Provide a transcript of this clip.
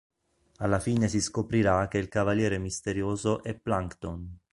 Alla fine si scoprirà che il "Cavaliere Misterioso" è Plankton.